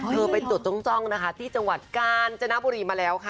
เธอไปตรวจจ้องที่จังหวัดกาลจนบุรีมาแล้วค่ะ